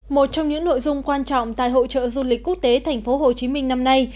một trong những nội dung quan trọng tại hội trợ du lịch quốc tế tp hcm năm nay